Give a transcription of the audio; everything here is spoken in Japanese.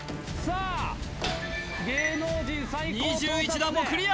２１段もクリア